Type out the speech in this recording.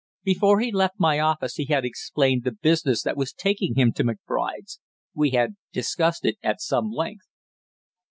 Before he left my office he had explained the business that was taking him to McBride's; we had discussed it at some length."